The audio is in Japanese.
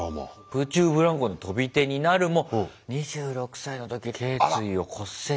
「空中ブランコの飛び手になるも２６歳の時頸椎を骨折」。